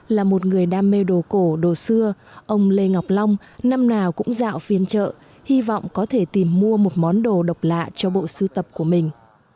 là một người đam mê đồ cổ đồ xưa ông lê ngọc long năm nào cũng dạo phiên chợ hy vọng có thể tìm mua một món đồ độc lạ cho bộ sưu tập của mình